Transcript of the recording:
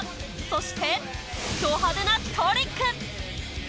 そして、ド派手なトリック。